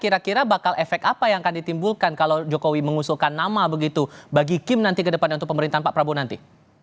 kira kira bakal efek apa yang akan ditimbulkan kalau jokowi mengusulkan nama begitu bagi kim nanti ke depannya untuk pemerintahan pak prabowo nanti